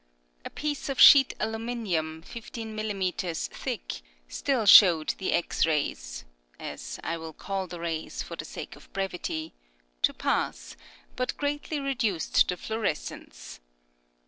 A piece of sheet aluminium, 15 mm. thick, still allowed the X rays (as I will call the rays, for the sake of brevity) to pass, but greatly reduced the fluorescence